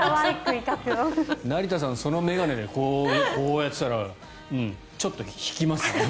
成田さんその眼鏡でこうやってたらちょっと引きますね。